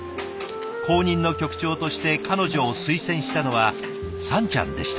後任の局長として彼女を推薦したのはさんちゃんでした。